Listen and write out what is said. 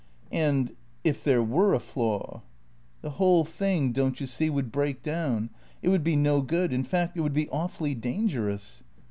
"And if there were a flaw?" "The whole thing, don't you see, would break down; it would be no good. In fact, it would be awfully dangerous."